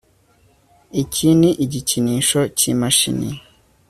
Iki ni igikinisho cyimashini